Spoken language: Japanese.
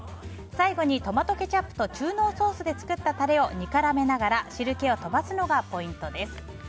最後にトマトケチャップと中濃ソースで作ったタレを煮絡めながら汁気を飛ばすのがポイントです。